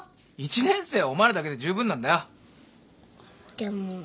でも。